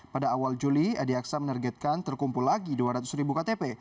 pada awal juli adi aksa menargetkan terkumpul lagi dua ratus ribu ktp